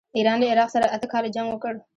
ایران له عراق سره اته کاله جنګ وکړ.